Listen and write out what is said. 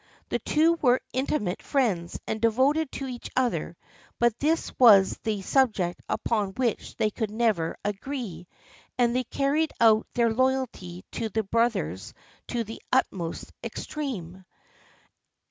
The two were intimate friends and devoted to each other, but this was the subject upon which they could never agree, and they carried out their loyalty to their brothers to the utmost extreme.